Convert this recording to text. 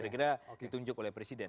kira kira ditunjuk oleh presiden